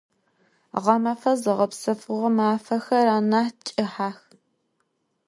Ğemefe zığepsefığo mafexer anah ç'ıhex.